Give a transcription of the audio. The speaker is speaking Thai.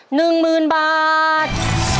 ๑หมื่นบาท